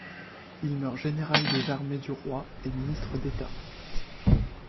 Il meurt général des armées du roi et ministre d'État.